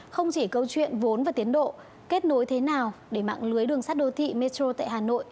không chỉ câu chuyện vốn và tiến độ kết nối thế nào để mạng lưới đường sắt đô thị metro tại hà nội